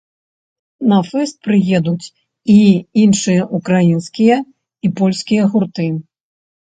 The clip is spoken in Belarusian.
На фэст прыедуць і іншыя ўкраінскія і польскія гурты.